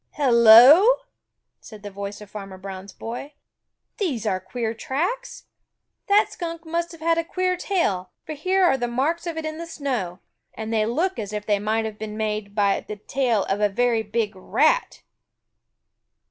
"Hello!" said the voice of Farmer Brown's boy. "These are queer tracks! That Skunk must have had a queer tail, for here are the marks of it in the snow, and they look as if they might have been made by the tail of a very big rat."